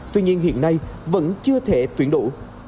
tuy nhiên hiện nay vẫn chưa thể tuyển đủ